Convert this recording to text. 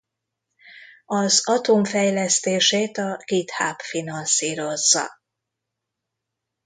Az Atom fejlesztését a GitHub finanszírozza.